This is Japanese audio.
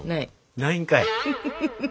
ないんかい！